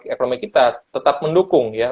ekonomi kita tetap mendukung ya